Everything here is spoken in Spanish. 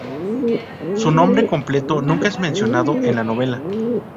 Su nombre completo nunca es mencionado en la novela.